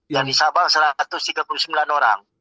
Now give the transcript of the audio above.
yang di sabang satu ratus tiga puluh sembilan orang